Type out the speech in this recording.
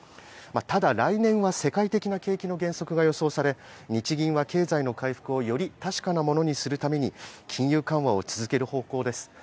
ただ、来年は世界的な景気の減速が予想され日銀は経済の回復をより確かなものにするために金融緩和を続ける方向です。